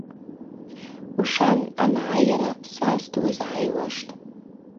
Ушан ангӏайра, сас дуызгӏайуаштӏ.